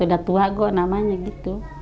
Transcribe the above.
udah tua kok namanya gitu